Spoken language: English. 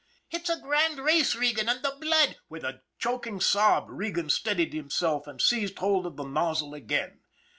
" It's a grand race, Regan; an' the blood " With a choking sob, Regan steadied himself and seized hold of the nozzle again.